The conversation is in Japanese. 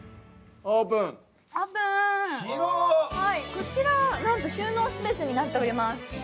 こちら、なんと収納スペースになっております。